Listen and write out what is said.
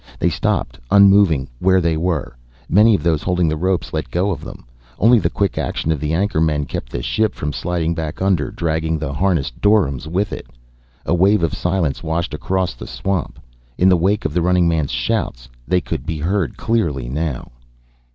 They stopped, unmoving, where they were. Many of those holding the ropes let go of them. Only the quick action of the anchor men kept the ship from sliding back under, dragging the harnessed doryms with it. A wave of silence washed across the swamp in the wake of the running man's shouts. They could be heard clearly now.